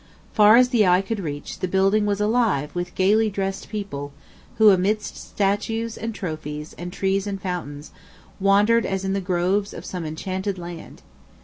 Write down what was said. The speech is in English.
Far as the eye could reach, the building was alive with gayly dressed people, who, amidst statues, and trophies, and trees, and fountains, wandered as in the groves of some enchanted land.